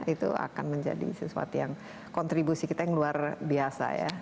itu akan menjadi sesuatu yang kontribusi kita yang luar biasa ya